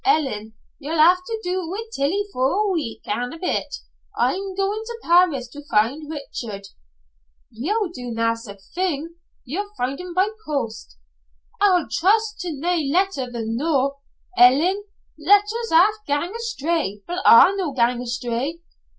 Ellen, ye'll have to do wi' Tillie for a week an' a bit, I'm going to Paris to find Richard." "Ye'll do nae sic' thing. Ye'll find him by post." "I'll trust to nae letter the noo, Ellen. Letters aften gang astray, but I'll no gang astray."